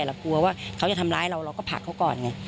เรากลัวว่าเขาจะทำร้ายเราเราก็ผลักเขาก่อนไง